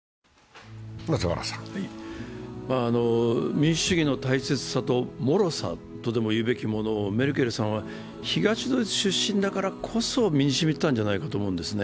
民主主義の大切さともろさとでも言うべきものをメルケルさんは東ドイツ出身だからこそ身にしみていたんだと思うんですね。